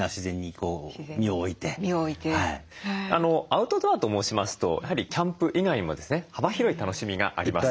アウトドアと申しますとやはりキャンプ以外にもですね幅広い楽しみがあります。